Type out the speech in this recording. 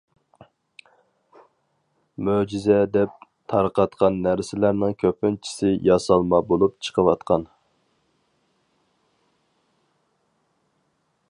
مۆجىزە دەپ تارقاتقان نەرسىلەرنىڭ كۆپىنچىسى ياسالما بولۇپ چىقىۋاتقان.